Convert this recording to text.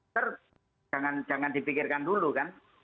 terus jangan dipikirkan dulu kan